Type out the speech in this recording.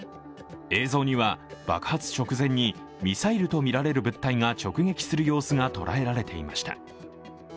映像には爆発直前にミサイルとみられる物体が直撃する様子が捉えられていました。